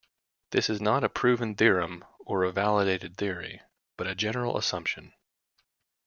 This is not a proven theorem or a validated theory, but a general assumption.